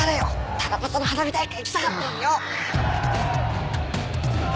七夕の花火大会行きたかったのによ。